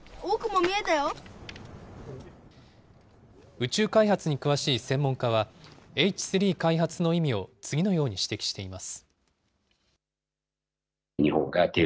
宇宙開発に詳しい専門家は、Ｈ３開発の意味を次のように指摘しています。